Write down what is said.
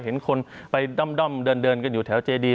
เห็นคนไปด้อมเดินกันอยู่แถวเจดี